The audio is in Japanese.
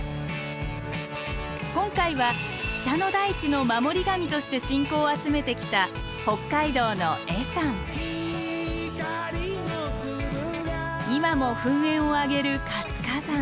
今回は北の大地の守り神として信仰を集めてきた北海道の今も噴煙を上げる活火山。